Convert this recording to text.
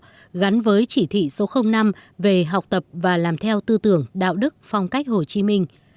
huyện đã phát động phong trào tự soi tự sửa chữa gắn với chỉ thị số năm về học tập và làm theo tư tưởng đạo đức phong cách hồ chí minh